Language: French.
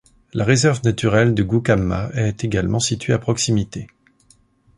La réserve naturelle de Goukamma est également située à proximité.